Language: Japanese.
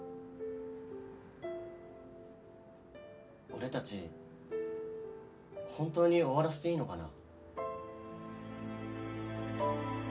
俺たち本当に終わらせていいのかな？